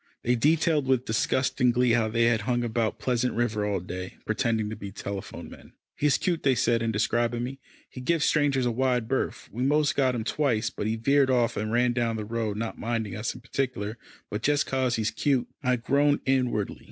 They detailed with disgusting glee how they had hung about Pleasant River all day, pretending to be telephone men. "He's cute," they said in describing me. "He gives strangers a wide berth. We most got him twice, but he veered off and ran down the road, not minding us in particular, but just 'cause he's cute." I groaned inwardly.